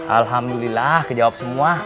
alhamdulillah kejawab semua